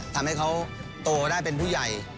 ทำให้เขาโตได้เป็นผู้ใหญ่